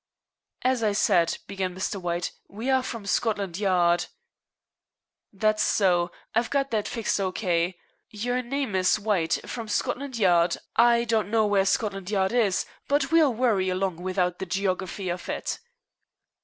"As I said," began Mr. White, "we are from Scotland Yard." "That's so. I've got that fixed O.K. Your name is I. White, from Scotland Yard. I don't know where Scotland Yard is, but we'll worry along without the geography of it."